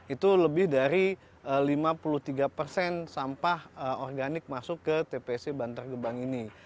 itu lebih dari lima puluh tiga persen sampah organik masuk ke tpc bantar gebang ini